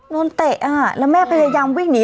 โนะเตะอ่ะและแม่ก็พยายามวิ่งหนี